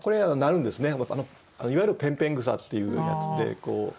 いわゆるぺんぺん草っていうやつで。